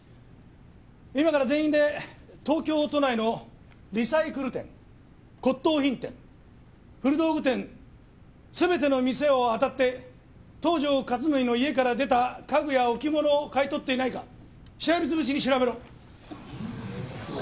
今から全員で東京都内のリサイクル店骨董品店古道具店全ての店を当たって東条克典の家から出た家具や置物を買い取っていないかしらみつぶしに調べろ！